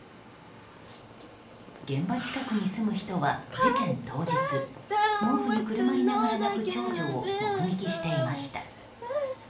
現場近くに住む人は事件当日毛布にくるまりながら泣く長女を目撃していました。